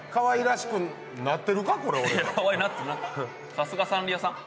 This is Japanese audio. さすがサンリオさん。